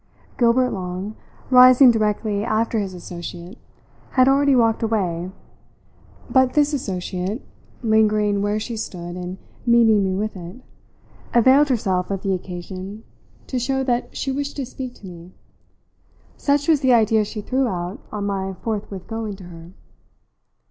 Gilbert Long, rising directly after his associate, had already walked away, but this associate, lingering where she stood and meeting me with it, availed herself of the occasion to show that she wished to speak to me. Such was the idea she threw out on my forthwith going to her.